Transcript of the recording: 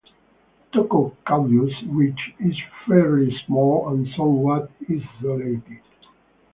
Tocco Caudio's ridge is fairly small and somewhat isolated.